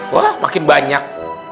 wah makin banyak